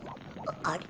あれ？